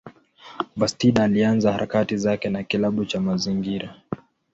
Bastida alianza harakati zake na kilabu cha mazingira.